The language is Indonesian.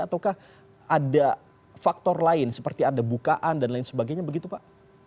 ataukah ada faktor lain seperti ada bukaan dan lain sebagainya begitu pak